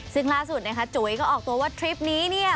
ซึ่งล่าสุดนะคะจุ๋ยก็ออกตัวว่าทริปนี้เนี่ย